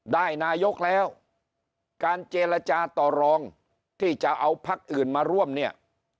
นายกแล้วการเจรจาต่อรองที่จะเอาพักอื่นมาร่วมเนี่ย